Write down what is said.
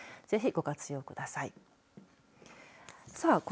ぜひご活用ください。